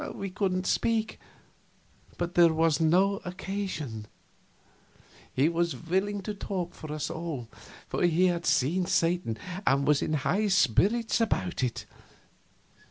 We couldn't speak, but there was no occasion; he was willing to talk for us all, for he had just seen Satan and was in high spirits about it.